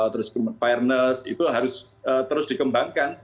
terus kemampuan keamanan itu harus terus dikembangkan